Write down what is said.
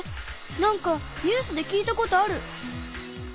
なんかニュースで聞いたことある。